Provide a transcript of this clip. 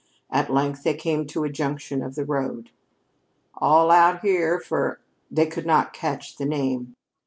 At length they came to a junction of the road. "All out here for " They could not catch the name.